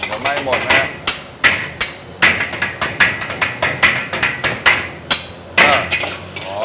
เดี๋ยวไหม้หมดนะครับ